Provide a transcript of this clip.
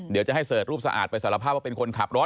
เดี๋ยวจะให้เสิร์ชรูปสะอาดไปสารภาพว่าเป็นคนขับรถ